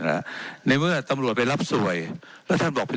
เจ้าหน้าที่ของรัฐมันก็เป็นผู้ใต้มิชชาท่านนมตรี